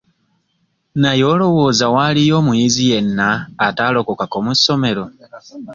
Naye olowooza waaliyo omuyizi yenna ataatolokako mu ssomero?